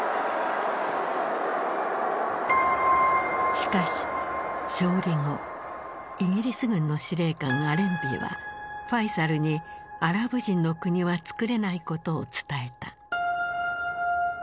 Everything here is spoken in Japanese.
しかし勝利後イギリス軍の司令官アレンビーはファイサルにアラブ人の国はつくれないことを伝えた。